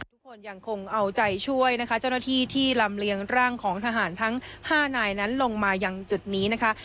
ทุกคนยังคงเอาใจช่วยนะคะเจ้าหน้าที่ที่ลำเลียงร่างของทหารทั้ง๕นายนั้นลงมายังจุดนี้นะคะ